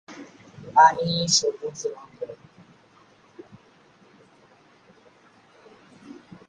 পানি সবুজ রংয়ের।